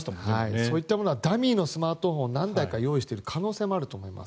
そういったものはダミーのスマホを何台か用意している可能性もあると思います。